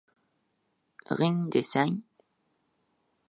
G‘ing desang...